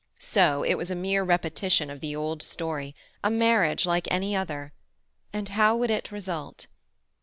So it was a mere repetition of the old story—a marriage like any other. And how would it result?